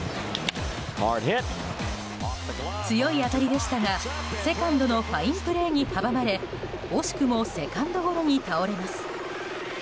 強い当たりでしたがセカンドのファインプレーに阻まれ惜しくもセカンドゴロに倒れます。